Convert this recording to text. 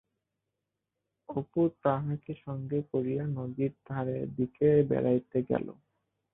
অপু তাহাকে সঙ্গে করিয়া নদীর ধারের দিকে বেড়াইতে গেল।